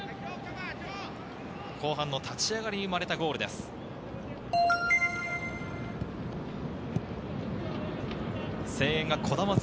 後半の立ち上がりに生まれたゴールです。